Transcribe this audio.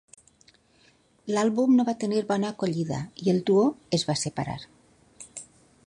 L'àlbum no va tenir bona acollida, i el duo es va separar.